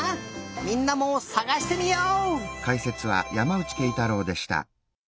みんなもさがしてみよう！